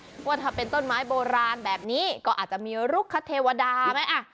เชื่อกันแหละว่าถ้าเป็นต้นไม้โบราณแบบนี้ก็อาจจะมีลูกข้าเทวดาไหม